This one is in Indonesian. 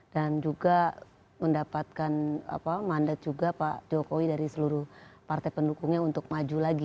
dan juga mendapatkan mandat juga pak jokowi dari seluruh partai pendukungnya untuk maju lagi